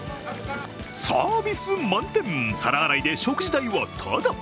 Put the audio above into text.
サービス満点、皿洗いで食事代はタダ。